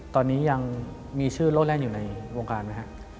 ตอนนี้ยังมีชื่อโล่แล่นอยู่ในวงการไหมครับ